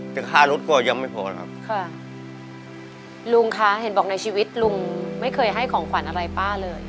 แต่ค่ารถก็ยังไม่พอนะครับค่ะลุงคะเห็นบอกในชีวิตลุงไม่เคยให้ของขวัญอะไรป้าเลย